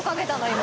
今。